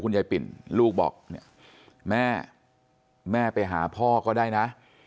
ยายปิ่นลูกบอกเนี่ยแม่แม่ไปหาพ่อก็ได้นะ